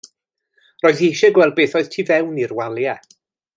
Roedd hi eisiau gweld beth oedd tu fewn i'r waliau.